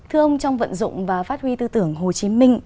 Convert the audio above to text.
thưa ông trong vận dụng và phát huy tư tưởng hồ chí minh